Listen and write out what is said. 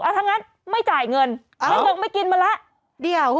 เอาทั้งงั้นไม่จ่ายเงินไม่เงินไม่กินมาแล้วเดี๋ยว